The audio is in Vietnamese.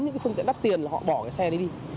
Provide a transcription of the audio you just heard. những cái phương tiện đắt tiền là họ bỏ cái xe đấy đi